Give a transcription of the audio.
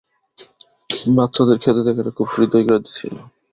বাচ্চাদের খেতে দেখাটা খুব হৃদয়গ্রাহী ছিল।